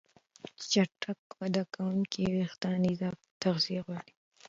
چټک وده کوونکي وېښتيان اضافي تغذیه غواړي.